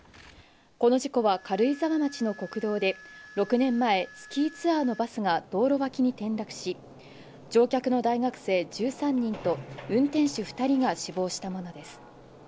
この事故は、軽井沢町の国道で、６年前、スキーツアーのバスが道路脇に転落し、乗客の大学生１３人と運転手２人が死亡したものです。